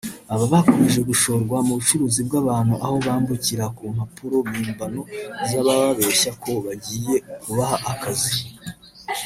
aba bakomeje gushorwa mu bucuruzi bw’abantu aho bambukira ku mpapuro mpimbano z’abababeshya ko bagiye kubaha kazi